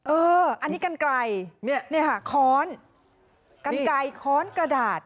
เอออันนี้กันไกลเนี่ยค่ะค้อนกันไกลค้อนกระดาษ